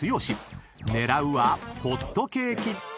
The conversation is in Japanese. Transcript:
［狙うはホットケーキ］